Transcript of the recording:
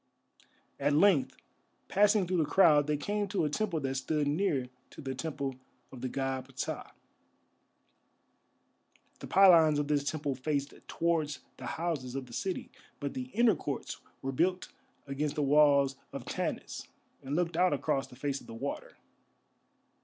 At length, passing through the crowd, they came to a temple that stood near to the Temple of the God Ptah. The pylons of this temple faced towards the houses of the city, but the inner courts were built against the walls of Tanis and looked out across the face of the water.